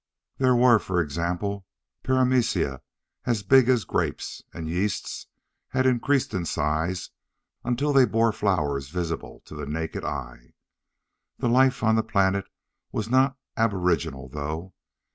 There were, for example, paramoecia as big as grapes, and yeasts had increased in size until they bore flowers visible to the naked eye. The life on the planet was not aboriginal, though.